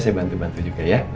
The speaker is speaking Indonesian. saya bantu bantu juga ya